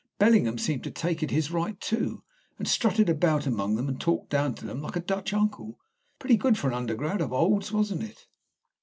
Bellingham seemed to take it as his right, too, and strutted about among them and talked down to them like a Dutch uncle. Pretty good for an undergrad. of Old's, wasn't it?"